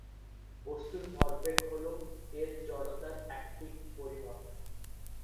বস্তুর ভরবেগ হল এর জড়তার একটি পরিমাপ।